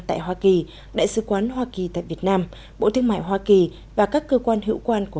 tại hoa kỳ đại sứ quán hoa kỳ tại việt nam bộ thương mại hoa kỳ và các cơ quan hữu quan của